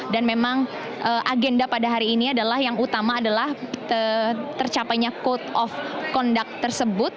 dan memang agenda pada hari ini adalah yang utama adalah tercapainya code of conduct tersebut